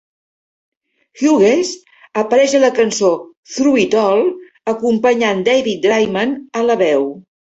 Hughes apareix a la cançó "Through It All" acompanyant David Draiman a la veu.